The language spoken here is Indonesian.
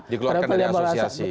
dikeluarkan dari asosiasi